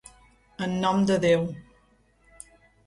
En nom de Déu.